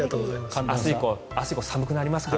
明日以降寒くなりますから。